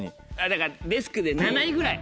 だからデスクで７位ぐらい。